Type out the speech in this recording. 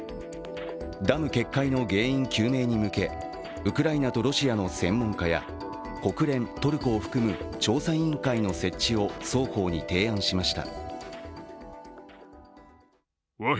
ダム決壊の原因究明に向けウクライナとロシアの専門家や国連、トルコを含む調査委員会の設置を双方に提案しました。